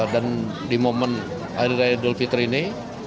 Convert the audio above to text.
dan di momen hari raya dulkitri ini